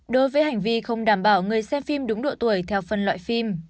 đối với hành vi không đảm bảo người xem phim đúng độ tuổi theo phân loại phim